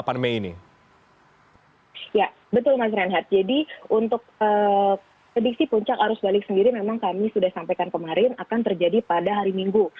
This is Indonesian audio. ya betul mas renhat jadi untuk prediksi puncak arus balik sendiri memang kami sudah sampaikan kemarin akan terjadi pada hari minggu